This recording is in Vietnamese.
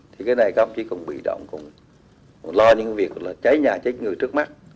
thì cái này các ông chỉ còn bị động còn lo những việc cháy nhà cháy người trước mắt